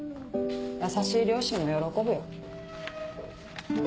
優しい両親も喜ぶよ。